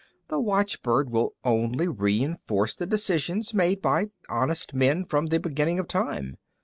The watchbird will only reinforce the decisions made by honest men from the beginning of time."